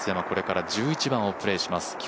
これから１１番をプレーします。